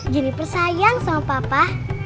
jeniper sayang sama papa